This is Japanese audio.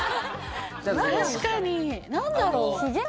確かに何だろう？ヒゲ？